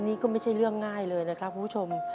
นี่ก็ไม่ใช่เรื่องง่ายเลยนะครับคุณผู้ชม